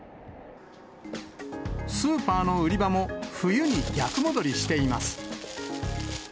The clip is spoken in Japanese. スーパーの売り場も冬に逆戻りしています。